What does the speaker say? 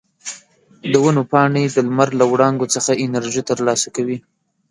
د ونو پاڼې د لمر له وړانګو څخه انرژي ترلاسه کوي.